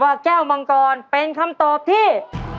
ตอบตัวเลขที่๑ว่าแก้วมังกรเป็นคำตอบที่